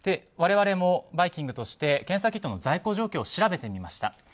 我々も「バイキング」として検査キットの在庫状況を調べてみました。